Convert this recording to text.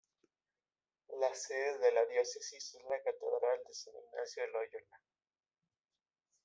La sede de la Diócesis es la Catedral de San Ignacio de Loyola.